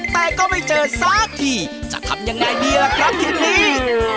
แต่ก็ไม่เจอสักทีจะทำยังไงดีล่ะครับทีนี้